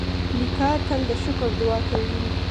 نیکه تل د شکر دعا کوي.